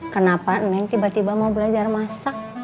kenapa neng tiba tiba mau belajar masak